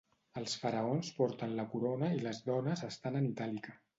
Els faraons porten la corona i les dones estan en itàlica.